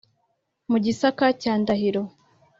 Mu Gisaka cya Ndahiro !